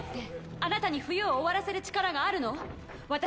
あなたに冬を終わらせる力があるの？